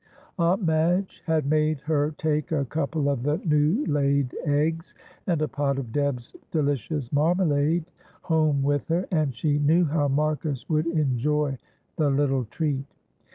Aunt Madge had made her take a couple of the new laid eggs and a pot of Deb's delicious marmalade home with her, and she knew how Marcus would enjoy the little treat.